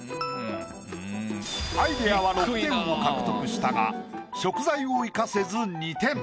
アイディアは６点を獲得したが食材を生かせず２点。